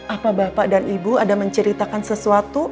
apa bapak dan ibu ada menceritakan sesuatu